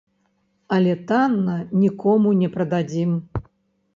Але танна нікому не прададзім.